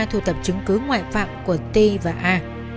thu tập chứng cứ ngoại phạm của t và a